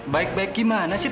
baik baik gimana sih